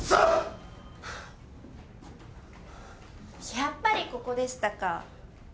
やっぱりここでしたか。